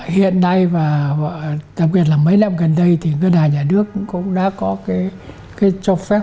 hiện nay và đặc biệt là mấy năm gần đây thì ngân hàng nhà nước cũng đã có cái cho phép